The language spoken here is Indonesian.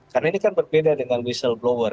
karena ini kan berbeda dengan whistleblower